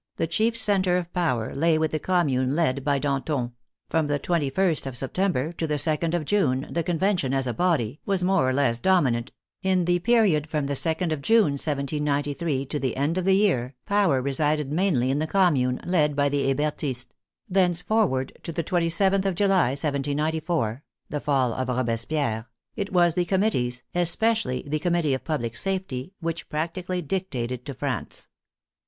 the chief center of power lay with the Commune led by Danton; from the 21st of Sep tember to the 2d of June, the Convention, as a body, was more or less dominant; in the period from the 2d of June, 1793, to the end of the year, power resided mainly in the Commune, led by the Hebertists ; thence forward to the 27th of July, 1794 (the fall of Robes pierre), it was the committees, especially the Committee of Public Safety, which practically dictated to France.